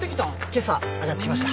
けさ上がってきました。